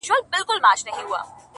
هڅه د ژوند بدلون دی.